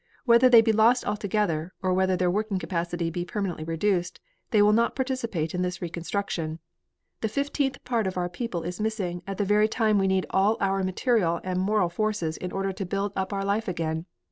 Whether they be lost altogether, or whether their working capacity be permanently reduced, they will not participate in this reconstruction. The fifteenth part of our people is missing at the very time we need all our material and moral forces in order to build up our life again.